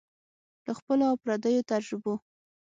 له خپلو او پردیو تجربو